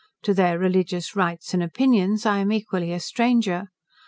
To their religious rites and opinions I am equally a stranger.